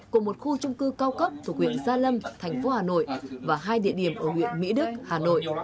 của một khu trung cư cao cấp thuộc huyện gia lâm thành phố hà nội và hai địa điểm ở huyện mỹ đức hà nội